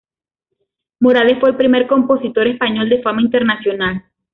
Morales fue el primer compositor español de fama internacional.